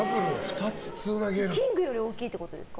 キングより大きいってことですか。